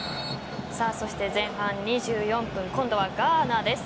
そして前半２４分今度はガーナです。